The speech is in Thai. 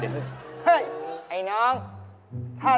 ใช่ไง